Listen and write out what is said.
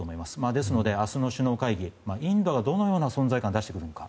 ですので、明日の首脳会議でインドがどのような存在感を出してくるのか。